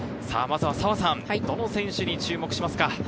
澤さん、どの選手に注目しますか？